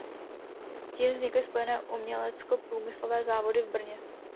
Tím vznikly Spojené uměleckoprůmyslové závody v Brně.